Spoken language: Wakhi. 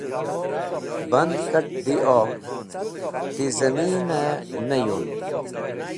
Band kat̃ dẽyob ti zẽminẽ ne yund.